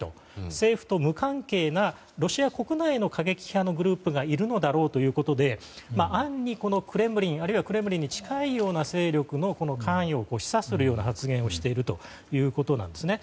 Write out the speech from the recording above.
政府と無関係なロシア国内の過激派のグループがいるのだろうということで暗に、クレムリンあるいはクレムリンに近いような勢力の関与を示唆するような発言をしているんですね。